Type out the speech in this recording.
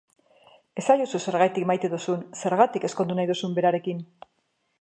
Esaiozu zergatik maite duzun, zergatik ezkondu nahi duzun berarekin.